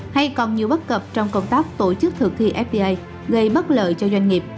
hay còn nhiều bất cập trong công tác tổ chức thượng thi fta gây bất lợi cho doanh nghiệp